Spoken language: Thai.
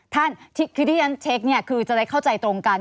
ท่านที่ที่ฉันเช็คคือจะได้เข้าใจตรงกัน